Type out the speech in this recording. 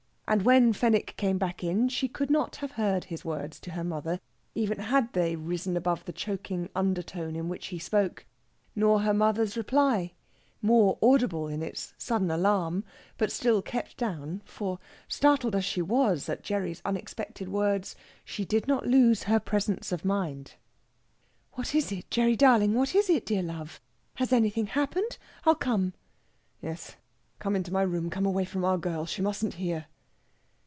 And when Fenwick came back she could not have heard his words to her mother, even had they risen above the choking undertone in which he spoke, nor her mother's reply, more audible in its sudden alarm, but still kept down for, startled as she was at Gerry's unexpected words, she did not lose her presence of mind. "What is it, Gerry darling? What is it, dear love? Has anything happened? I'll come." "Yes come into my room. Come away from our girl. She mustn't hear."